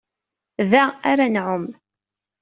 Da ara nɛum.